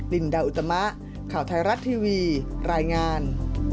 ลินดาอุตมะข่าวไทยรัฐทีวีรายงาน